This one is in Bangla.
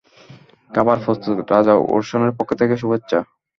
খাবার প্রস্তুত, রাজা ওরসনের পক্ষ থেকে শুভেচ্ছা।